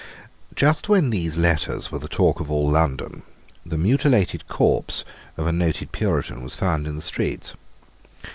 Just when these letters were the talk of all London, the mutilated corpse of a noted Puritan was found in the streets.